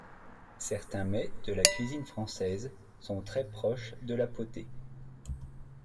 Certains mets de la cuisine française sont très proches de la potée.